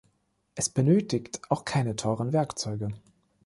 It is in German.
Es benötigt auch keine teuren Werkzeuge.